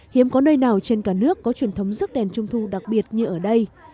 hiếm có nơi nào trên cả nước có truyền thống rước đèn trung thu đặc biệt như ở đây